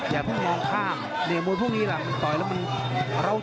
อย่าเพิ่งนองข้างเนี้ยมัวพวกนี้แหละ